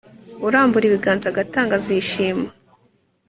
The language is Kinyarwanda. urambura ibiganza agatanga azishima